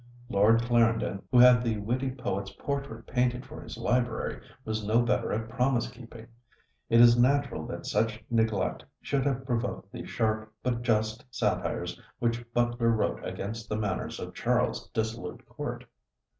Lord Clarendon, who had the witty poet's portrait painted for his library, was no better at promise keeping. It is natural that such neglect should have provoked the sharp but just satires which Butler wrote against the manners of Charles's dissolute court.